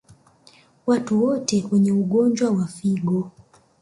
Watu wote wenye ugonjwa wa figo